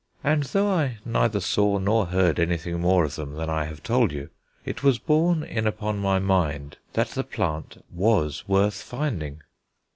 And, though I neither saw nor heard anything more of them than I have told you, it was borne in upon my mind that the plant was worth finding.